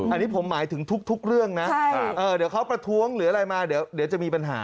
อันนี้ผมหมายถึงทุกเรื่องนะเดี๋ยวเขาประท้วงหรืออะไรมาเดี๋ยวจะมีปัญหา